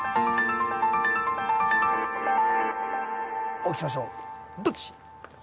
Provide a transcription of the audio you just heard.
お聞きしましょうどっち？